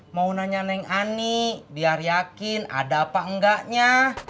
mau nanya neng ani biar yakin ada apa enggaknya